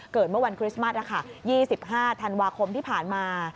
เมื่อวันคริสต์มัส๒๕ธันวาคมที่ผ่านมา